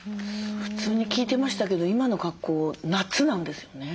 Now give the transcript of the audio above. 普通に聞いてましたけど今の格好夏なんですよね。